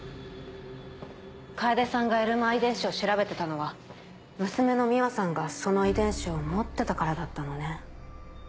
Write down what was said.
かえでさんがエルマー遺伝子を調べてたのは娘の美羽さんがその遺伝子を持ってたからだったのね。